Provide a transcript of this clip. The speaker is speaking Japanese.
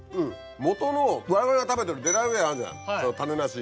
もとのわれわれが食べてるデラウェアあるじゃん種なし。